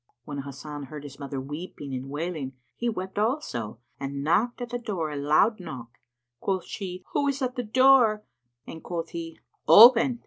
When Hasan heard his mother weeping and wailing he wept also and knocked at the door a loud knock. Quoth she, "Who is at the door?"; and quoth he, "Open!"